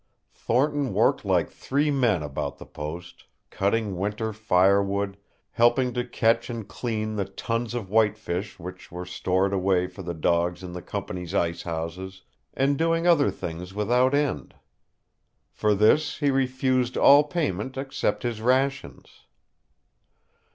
Thornton worked like three men about the post, cutting winter fire wood, helping to catch and clean the tons of whitefish which were stored away for the dogs in the company's ice houses, and doing other things without end. For this he refused all payment except his rations.